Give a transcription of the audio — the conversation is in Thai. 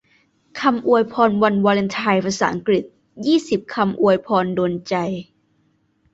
คำอวยพรวันวาเลนไทน์ ภาษาอังกฤษ ยี่สิบ คำอวยพรโดนใจ